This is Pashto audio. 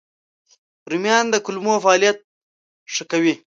رومیان د کولمو فعالیت ښه کوي